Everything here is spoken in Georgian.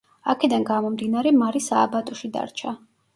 აქედან გამომდინარე, მარი სააბატოში დარჩა.